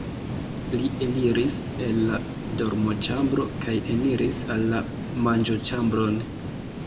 Li eliris el la dormoĉambro kaj eniris en la manĝoĉambron.